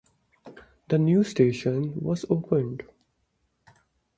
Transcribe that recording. The new station was opened.